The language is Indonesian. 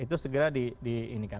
itu segera diperbaiki